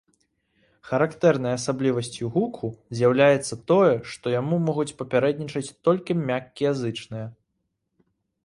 Характэрнай асаблівасцю гуку з'яўляецца тое, што яму могуць папярэднічаць толькі мяккія зычныя.